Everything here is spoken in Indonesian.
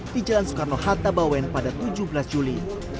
di jalan soekarno hatta bawen pada tujuh belas juli